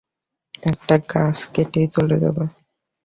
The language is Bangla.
একটা গাছ কেটেই চলে যাবে।